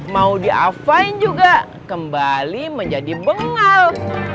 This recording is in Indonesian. mau diapain juga kembali menjadi bengal